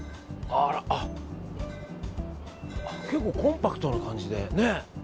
結構コンパクトな感じでね。